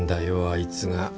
あいつが。